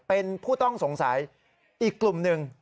เป็นผู้ต้องสงสัยอีกกลุ่มหนึ่ง